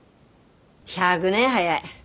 １００年早い。